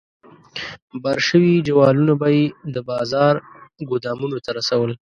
بار شوي جوالونه به یې د بازار ګودامونو ته رسول.